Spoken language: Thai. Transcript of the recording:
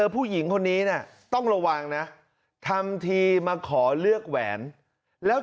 ผู้หญิงคนนี้ต้องระวังนะทำทีมาขอเลือกแหวนแล้ว